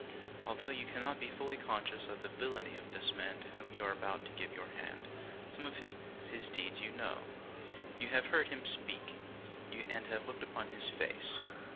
Although you cannot be fully conscious of the villainy of this man to whom you are about to give your hand, some of his deeds you know. You have heard him speak, and have looked upon his face.